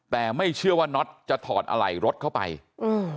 แต่ไม่เชื่อว่าน็อตจะถอดอะไหล่รถเข้าไปอืม